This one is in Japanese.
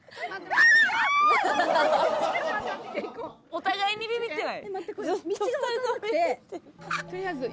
お互いにビビってない？